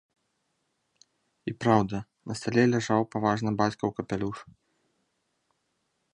І праўда, на стале ляжаў паважна бацькаў капялюш.